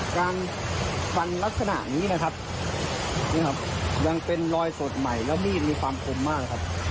การฟันลักษณะนี้นะครับนี่ครับยังเป็นรอยสดใหม่แล้วมีดมีความคมมากครับ